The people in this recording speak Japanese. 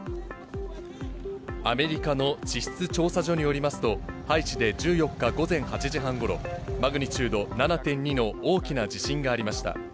アメリカの地質調査所によりますと、ハイチで１４日午前８時半ごろ、マグニチュード７．２の大きな地震がありました。